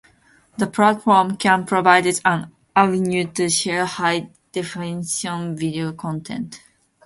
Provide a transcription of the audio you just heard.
The platform can provides an avenue to share high definition video content.